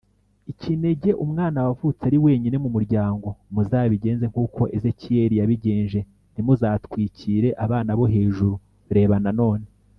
Ikinege Umwana wavutse ari wenyine mu muryango Muzabigenze nk uko Ezekiyeli yabigenje Ntimuzatwikire abana bo hejuru Reba nanone